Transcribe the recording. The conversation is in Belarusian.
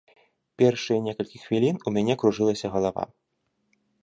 Першыя некалькі хвілін у мяне кружылася галава.